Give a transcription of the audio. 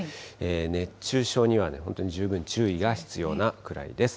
熱中症には本当に十分注意が必要なくらいです。